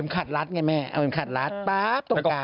คัดลัดไงแหมน่ะเอาเป็นคัดลัดป๊าบตรงกลาง